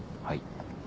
はい。